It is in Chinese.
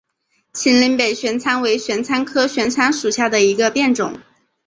秦岭北玄参为玄参科玄参属下的一个变种。